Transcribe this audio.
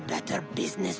ビジネス